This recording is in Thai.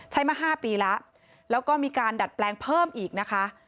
มา๕ปีแล้วแล้วก็มีการดัดแปลงเพิ่มอีกนะคะ